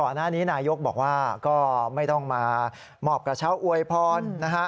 หน้านี้นายกบอกว่าก็ไม่ต้องมามอบกระเช้าอวยพรนะฮะ